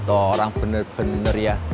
toorang bener bener ya